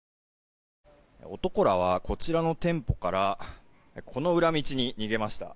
男らはこちらの店舗からこの裏道に逃げました。